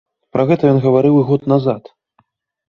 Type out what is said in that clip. Пра гэта ён гаварыў і год назад.